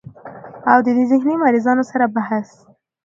او د ذهني مريضانو سره بحث